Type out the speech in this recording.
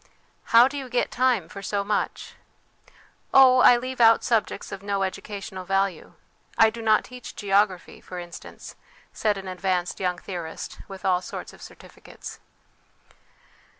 ' How do you get time for so much ?'' Oh, I leave out subjects of no educational value ; I do not teach geography, for instance/ said an advanced young theorist with all sorts of certificates.